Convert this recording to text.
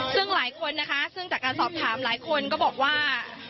ซึ่งหลายคนนะคะซึ่งจากการสอบถามหลายคนก็บอกว่า